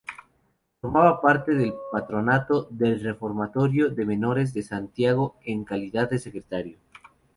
Formaba parte del Patronato del Reformatorio de Menores de Santiago en calidad de secretario.